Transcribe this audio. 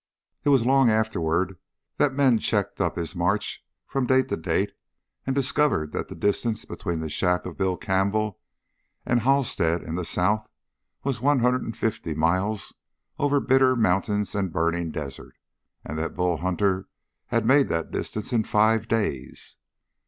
It was long afterward that men checked up his march from date to date and discovered that the distance between the shack of Bill Campbell and Halstead in the South was one hundred and fifty miles over bitter mountains and burning desert, and that Bull Hunter had made the distance in five days.